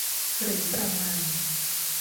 หรือประมาณ